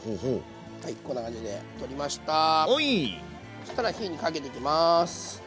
そしたら火にかけていきます。